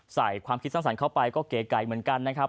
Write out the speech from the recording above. ความคิดสร้างสรรค์เข้าไปก็เก๋ไก่เหมือนกันนะครับ